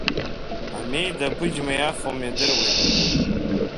Амеида ақәыџьма иафом иадыруеит.